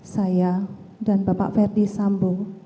saya dan bapak ferdi sambo